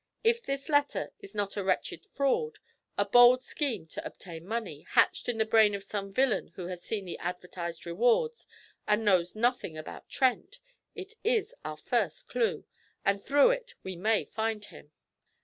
If this letter is not a wretched fraud, a bold scheme to obtain money, hatched in the brain of some villain who has seen the advertised rewards and knows nothing about Trent, it is our first clue, and through it we may find him.'